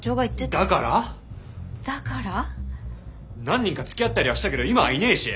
何人かつきあったりはしたけど今はいねぇし。